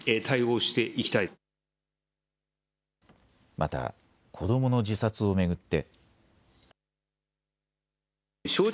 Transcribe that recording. また子どもの自殺を巡って。